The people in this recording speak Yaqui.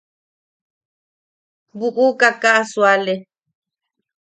Buʼuka kaa suale.